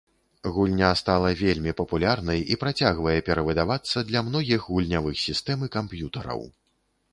Гульня стала вельмі папулярнай і працягвае перавыдавацца для многіх гульнявых сістэм і камп'ютараў.